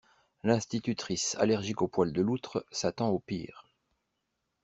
L'institutrice allergique aux poils de loutre s'attend au pire.